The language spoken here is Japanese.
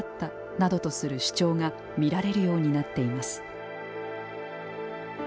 などとする主張が見られるようになっています。